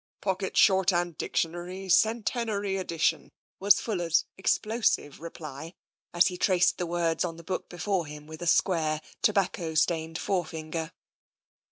" Pocket Shorthand Dictionary, Centenary Edition/' was Fuller's explosive reply, as he traced the words on the book before him with a square, tobacco stained forefinger.